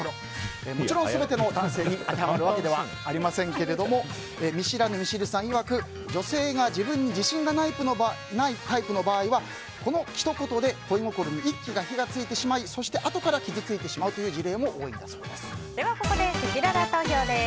もちろん全ての男性に当てはまるわけではありませんが見知らぬミシルさんいわく女性が自分に自信がないタイプの場合はこのひと言で恋心に一気に火が付いてしまいそして、あとから傷ついてしまうここで、せきらら投票です。